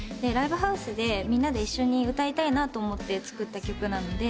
ライブハウスでみんなで一緒に歌いたいなと思って作った曲で。